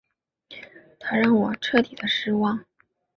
他让我彻底的失望